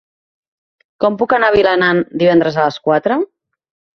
Com puc anar a Vilanant divendres a les quatre?